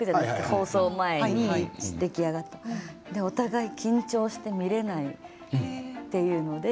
放送前に出来上がったもの。お互い緊張して見られないって言って。